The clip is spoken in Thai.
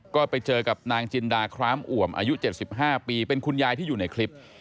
ก็ไปเจอกับนางจินดาครามอ่วมอายุ๗๕ปีเป็นคุณยายที่อยู่ในคลิป